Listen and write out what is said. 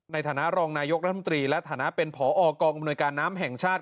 ในฐานะรองนายกรัฐมนตรีและฐานะเป็นผอกองอำนวยการน้ำแห่งชาติ